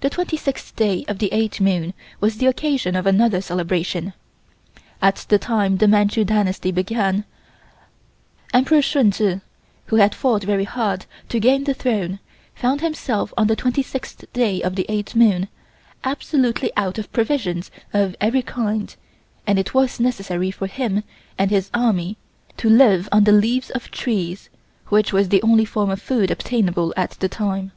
The twenty sixth day of the eighth moon was the occasion of another celebration. At the time the Manchu Dynasty began, Emperor Shung Chih, who had fought very hard to gain the throne, found himself on the twenty sixth day of the eighth moon, absolutely out of provisions of every kind and it was necessary for him and his army to live on the leaves of trees, which was the only form of food obtainable at the time.